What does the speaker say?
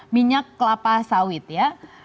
minyak kelapa sawit ya